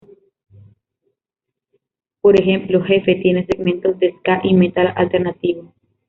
Por ejemplo, "Jefe" tiene segmentos de ska y metal alternativo.